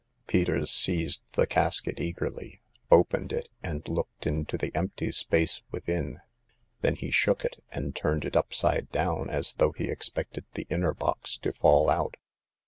Peters seized the casket eagerly, opened it, and looked into the empty space within ; then he shook it, and turned it upside down, as though he expected the inner box to fall out.